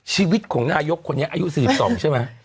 ชีวิตของนายกคนเนี่ยอายุ๔๒ใช่มั้ย